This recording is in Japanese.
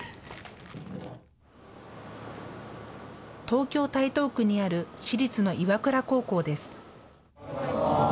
東京・台東区にある私立の岩倉高校です。